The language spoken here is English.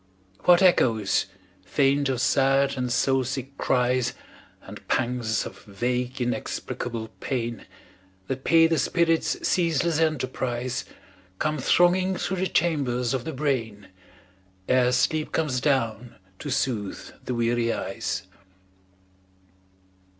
What echoes faint of sad and soul sick cries, And pangs of vague inexplicable pain That pay the spirit's ceaseless enterprise, Come thronging through the chambers of the brain Ere sleep comes down to soothe the weary eyes.